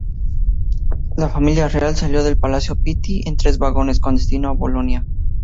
La familia real salió del Palacio Pitti en tres vagones, con destino a Bolonia.